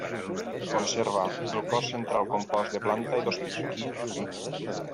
Conserva el cos central compost de planta i dos pisos.